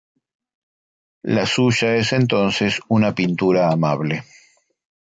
La suya es entonces una pintura amable.